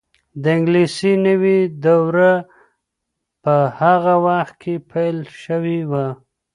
د انګلیسي نوې دوره په هغه وخت کې پیل شوې وه.